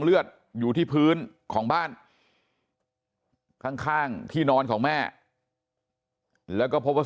เลือดอยู่ที่พื้นของบ้านข้างที่นอนของแม่แล้วก็พบว่า